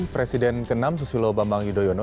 presiden ke enam susilo bambang yudhoyono